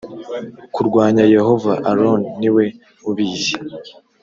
kurwanya yehova aroni ni we ubizi